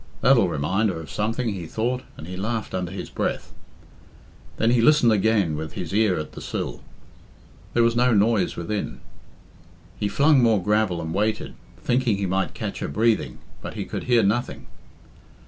"That'll remind her of something," he thought, and he laughed under his breath. Then he listened again with his ear at the sill. There was no noise within. He flung more gravel and waited, thinking he might catch her breathing, but he could hear nothing.